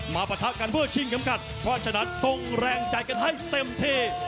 ปะทะกันเพื่อชิงเข็มขัดเพราะฉะนั้นทรงแรงใจกันให้เต็มที่